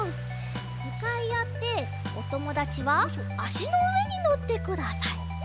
むかいあっておともだちはあしのうえにのってください。